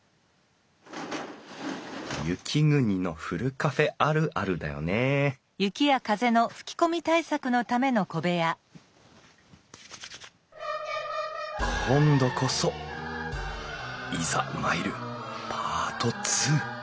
雪国のふるカフェあるあるだよね今度こそいざ参るパート２！